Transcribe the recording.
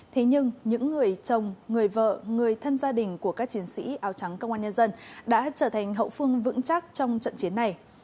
thế nhưng những người chồng người vợ người thân gia đình của các chiến sĩ áo trắng công an nhân dân đã trở thành hậu phương vững chắc trong trận chiến này